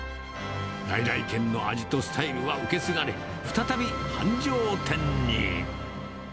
來々軒の味とスタイルは受け継がれ、再び繁盛店に。